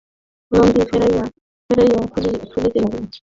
নদী ফেনাইয়া ফেনাইয়া ফুলিতে লাগিল।